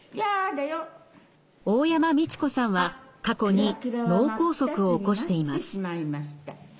大山実知子さんは過去に脳梗塞を起こしています。